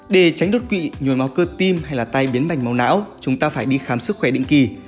để tránh đột quỵ nhuồn máu cơ tim hay là tay biến bành máu não chúng ta phải đi khám sức khỏe định kỳ